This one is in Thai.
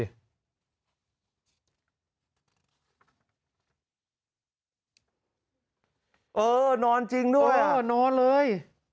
นอนจริงด้วยเออนอนเลย